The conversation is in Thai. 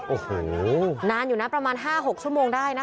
โอ้โหนานอยู่นะประมาณ๕๖ชั่วโมงได้นะคะ